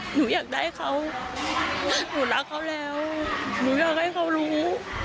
หนูอยากได้เขาหนูรักเขาแล้วหนูอยากให้เขารู้